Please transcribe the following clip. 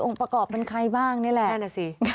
องค์ประกอบเป็นใครบ้างนี่แหละ